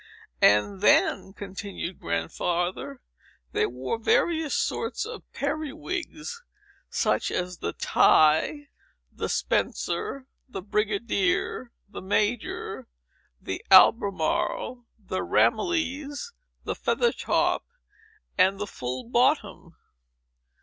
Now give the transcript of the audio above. "And, then," continued Grandfather, "they wore various sorts of periwigs, such as the Tie, the Spencer, the Brigadier, the Major, the Albemarle, the Ramilies, the Feather top, and the Full bottom!